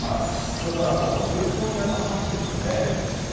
それから、前方にあったハッチですよね。